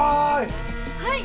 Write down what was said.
はい！